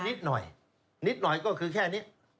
นิดหน่อยนิดหน่อยก็คือแค่นี้